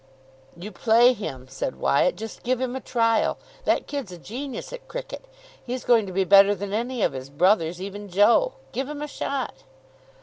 "You play him," said Wyatt. "Just give him a trial. That kid's a genius at cricket. He's going to be better than any of his brothers, even Joe. Give him a shot."